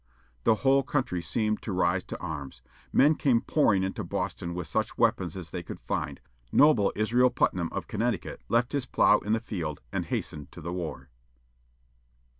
The whole country seemed to rise to arms. Men came pouring into Boston with such weapons as they could find. Noble Israel Putnam of Connecticut left his plough in the field and hastened to the war.